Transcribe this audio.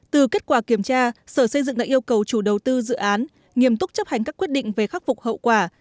từ kết quả kiểm tra sở xây dựng đã yêu cầu chủ đầu tư dự án nghiêm túc chấp hành các quyết định về khắc phục hậu quả